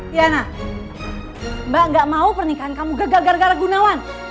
tiana mbak gak mau pernikahan kamu gagal gara gara gunawan